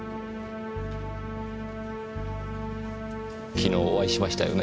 昨日お会いしましたよね？